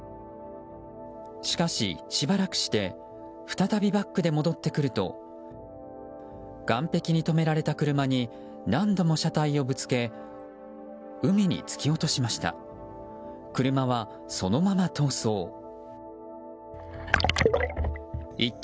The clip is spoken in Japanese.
しかし、しばらくして再びバックで戻ってくると岸壁に止められた車に何度も車体をぶつけ海に突き落としました。